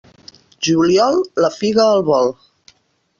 Juliol, la figa al vol.